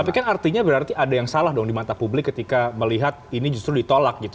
tapi kan artinya berarti ada yang salah dong di mata publik ketika melihat ini justru ditolak gitu